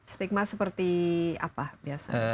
stigma seperti apa biasanya